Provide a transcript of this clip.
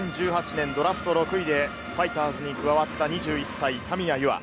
ドラフト６位でファイターズに加わった２１歳、田宮裕涼。